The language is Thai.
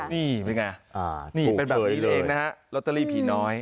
นี่เป็นไงนี่เป็นแบบนี้เองนะฮะลอตเตอรี่ผีน้อย